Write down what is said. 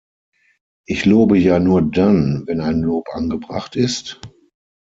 Ich lobe ja nur dann, wenn ein Lob angebracht ist?